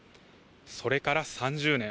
それから３０年。